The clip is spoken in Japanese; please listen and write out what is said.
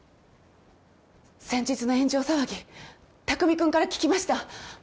先日の炎上騒ぎ匠君から聞きました。